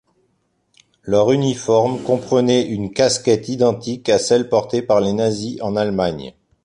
Leur uniforme comprenait une casquette identique à celle portée par les nazis en Allemagne.